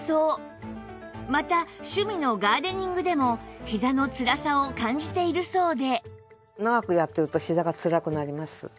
また趣味のガーデニングでもひざのつらさを感じているそうで